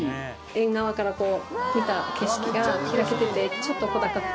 縁側から見た景色が開けててちょっと小高くて。